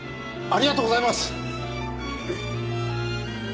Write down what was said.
ありがとうございます！